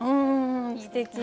すてき。